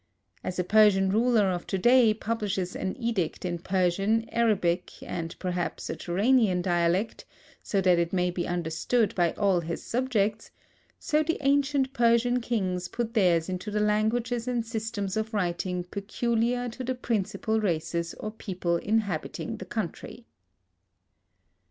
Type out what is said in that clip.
As a Persian ruler of to day publishes an edict in Persian, Arabic and perhaps a Turanian dialect, so that it may be understood by all his subjects, so the ancient Persian kings put theirs into the languages and systems of writing peculiar to the principal races or people inhabiting the country.